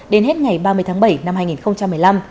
đến hết ngày ba mươi tháng bảy năm hai nghìn một mươi năm